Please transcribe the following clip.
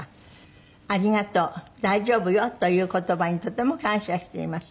「“ありがとう”“大丈夫よ”という言葉にとても感謝しています」